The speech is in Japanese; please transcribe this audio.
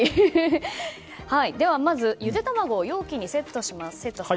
では、まずゆで卵を容器にセットします。